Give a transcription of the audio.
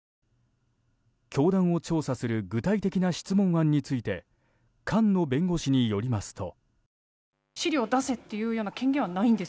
教団を調査する具体的な質問案について菅野弁護士によりますと。